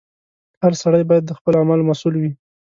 • هر سړی باید د خپلو اعمالو مسؤل وي.